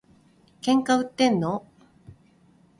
喧嘩売ってんの？